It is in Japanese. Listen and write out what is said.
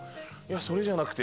それじゃなくて！